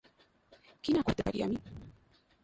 কী না করতে পারি আমি!